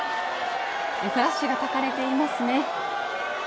フラッシュがたかれていますね。